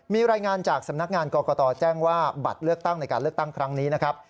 มีรายงานจากสำนักงานกรกตแจ้งว่าบัตรเลือกตั้งในการเลือกตั้งครั้งนี้นะครับ